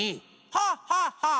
ハッハッハッ！